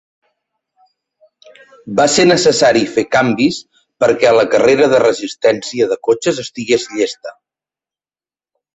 Va ser necessari fer canvis per què la carrera de resistència de cotxes estigués llesta.